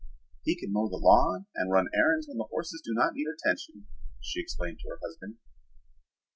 "He can mow the lawn and run errands when the horses do not need attention," she explained to her husband.